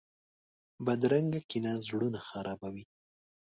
بدرنګه کینه زړونه خرابوي